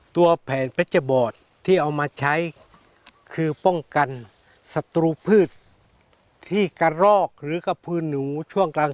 tua pen pecebot yang kita gunakan untuk menjaga setelah peta yang terkacau atau terpengaruh di malam